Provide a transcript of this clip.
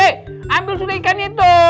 eh ambil sudah ikannya tuh